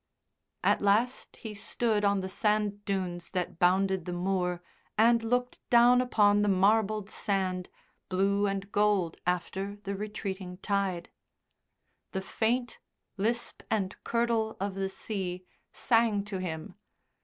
At last he stood on the sand dunes that bounded the moor and looked down upon the marbled sand, blue and gold after the retreating tide. The faint lisp and curdle of the sea sang to him.